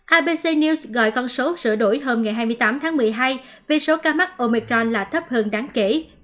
abc news gọi con số sửa đổi hôm ngày hai mươi tám tháng một mươi hai vì số ca mắc omicron là thấp hơn đáng kể